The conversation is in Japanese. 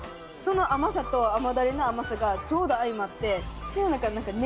その甘さと甘だれの甘さがちょうど相まって。